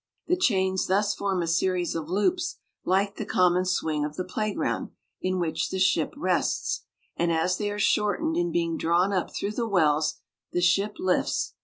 The chains thus form a series of loops like the common swing of the playground, in which the ship rests; and as they are shortened in being drawn up through the wells, the ship lifts.